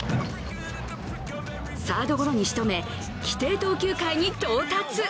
サードゴロにしとめ、規定投球回に到達。